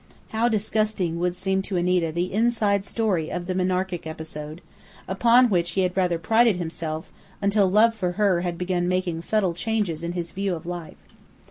How disgusting would seem to Anita the inside history of the Monarchic episode, upon which he had rather prided himself until love for her had begun making subtle changes in his view of life.